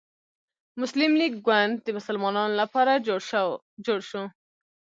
مسلم لیګ ګوند د مسلمانانو لپاره جوړ شو.